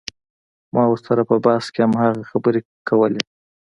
ما ورسره په بحث کښې هماغه خبرې کړلې.